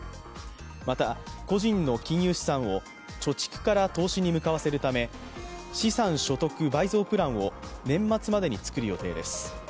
また個人の金融資産を貯蓄から投資に向かわせるため資産所得倍増プランを年末までに作る予定です。